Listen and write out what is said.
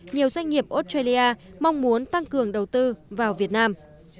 nhiều doanh nghiệp australia mong muốn tăng cường đầu tư vào việt nam